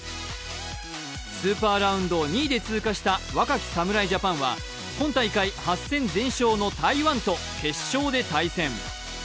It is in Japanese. スーパーラウンドを２位で通過した若き侍ジャパンは今大会８戦全勝の台湾と決勝で対戦。